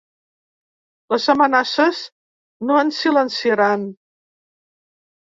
Les amenaces no ens silenciaran.